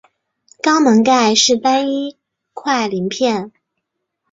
肛门盖是单一块鳞片。